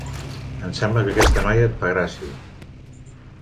Em sembla que aquesta noia et fa gràcia.